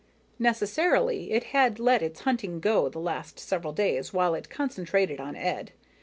Necessarily, it had let its hunting go the past several days while it concentrated on Ed.